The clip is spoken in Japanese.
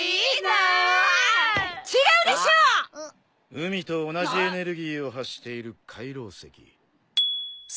海と同じエネルギーを発している海楼石。